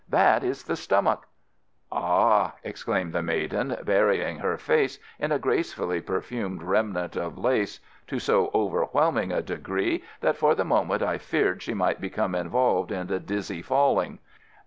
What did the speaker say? "That is the stomach." "Ah!" exclaimed the maiden, burying her face in a gracefully perfumed remnant of lace, to so overwhelming a degree that for the moment I feared she might become involved in the dizzy falling.